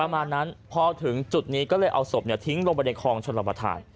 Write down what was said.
ประมาณนั้นพอถึงจุดนี้ก็เลยเอาศพทิ้งลงไปในคลองชนรับประทาน